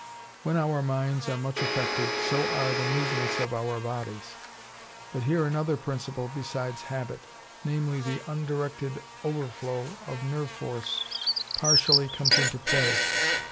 When our minds are much affected, so are the movements of our bodies; but here another principle besides habit, namely the undirected overflow of nerve force, partially comes into play.